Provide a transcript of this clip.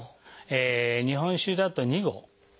日本酒だと２合。